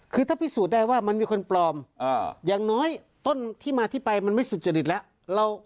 คือถ้าพิสูจน์ได้ว่ามันมีคนปลอมอย่างน้อยต้นที่มาที่ไปมันไม่สุจริตแล้ว